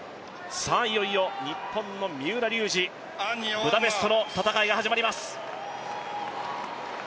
いよいよ日本の三浦龍司ブダペストの戦いが始まります。